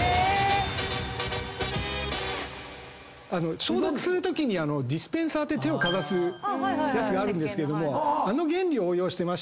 消毒するときにディスペンサーって手をかざすやつがあるんですけどもあの原理を応用してまして。